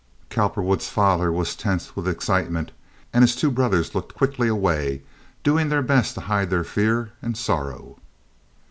Cowperwood's father was tense with excitement and his two brothers looked quickly away, doing their best to hide their fear and sorrow.